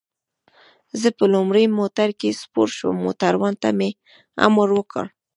زه په لومړي موټر کې سپور شوم، موټروان ته مې امر وکړ.